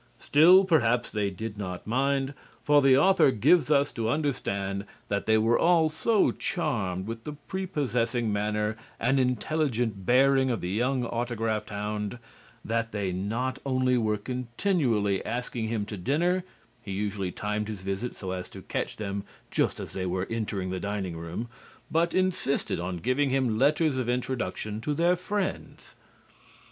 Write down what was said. Still, perhaps, they did not mind, for the author gives us to understand that they were all so charmed with the prepossessing manner and intelligent bearing of the young autograph hound that they not only were continually asking him to dinner (he usually timed his visit so as to catch them just as they were entering the dining room) but insisted on giving him letters of introduction to their friends.